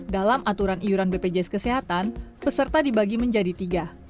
dalam aturan iuran bpjs kesehatan peserta dibagi menjadi tiga